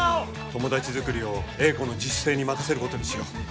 友達作りを英子の自主性に任せることにしよう。